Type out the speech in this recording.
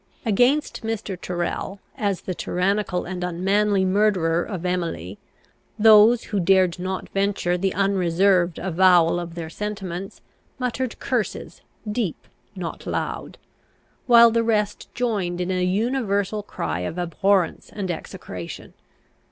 Against Mr. Tyrrel, as the tyrannical and unmanly murderer of Emily, those who dared not venture the unreserved avowal of their sentiments muttered curses, deep, not loud; while the rest joined in an universal cry of abhorrence and execration.